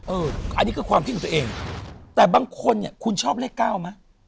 เอออันนี้ก็ความคิดของตัวเองแต่บางคนอ่ะคุณชอบเลข๙มั้ย